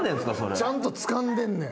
ちゃんとつかんでんねん。